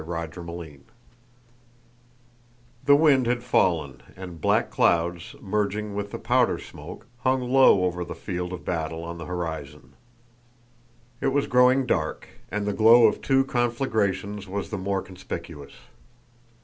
CHAPTER XXI The wind had fallen and black clouds, merging with the powder smoke, hung low over the field of battle on the horizon. It was growing dark and the glow of two conflagrations was the more conspicuous.